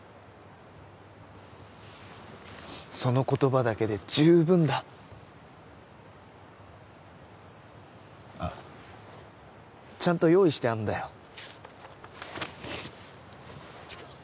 その言葉だけで十分だあっちゃんと用意してあるんだよ